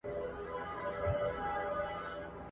د تسپو دام یې په لاس کي دی ښکاریان دي !.